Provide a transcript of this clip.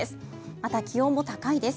また、気温も高いです。